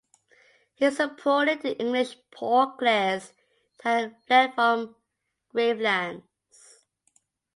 He supported the English Poor Clares who had fled from Gravelines.